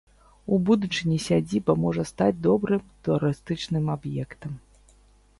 У будучыні сядзіба можа стаць добрым турыстычным аб'ектам.